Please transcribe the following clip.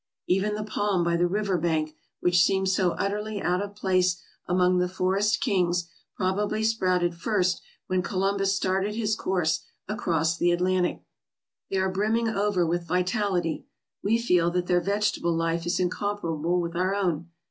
Even the palm by the river bank, which seems so utterly out of place among the forest kings, probably sprouted first when Columbus started his course across the Atlantic. They are brimming over with vitality. We feel that their vegetable life is incomparable with our own.